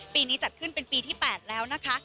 ปีนี้จัดขึ้นเป็นปีที่๘แล้วนะคะ